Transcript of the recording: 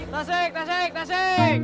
tasik tasik tasik